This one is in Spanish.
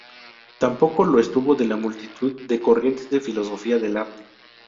Tampoco lo estuvo de la multitud de corrientes de filosofía del arte.